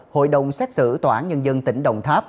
hội đồng xét xử tòa án nhân dân tỉnh đồng tháp